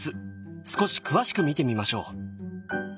少し詳しく見てみましょう。